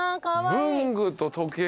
文具と時計の。